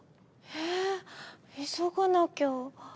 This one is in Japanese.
えっ急がなきゃ。